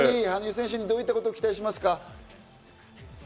羽生選手にどういったことを期待しますか？